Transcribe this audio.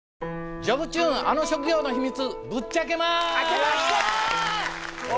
「ジョブチューンアノ職業のヒミツぶっちゃけます！」